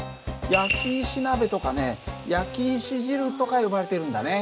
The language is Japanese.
焼き石鍋とかね焼き石汁とか呼ばれているんだね。